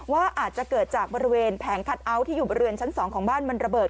ว่าอาจจะเกิดจากบริเวณแผงคัทเอาท์ที่อยู่บริเวณชั้น๒ของบ้านมันระเบิด